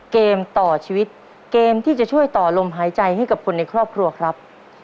เกมต่อชีวิตเกมที่จะช่วยต่อลมหายใจให้กับคนในครอบครัวครับ